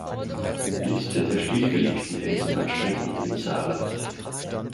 Liste der stillgelegten Eisenbahnstrecken im Saarland